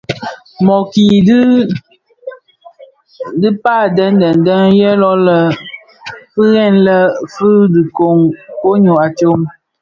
Mōōki dhi a diba deň deň deň yè lō lè fighèlèn fi dhi koň ňyô a tsom.